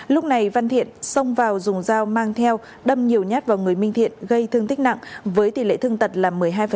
lúc này văn thiện xông vào dùng dao mang theo đâm nhiều nhát vào người minh thiện gây thương tích nặng với tỷ lệ thương tật là một mươi hai